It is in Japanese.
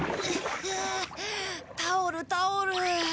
タオルタオル。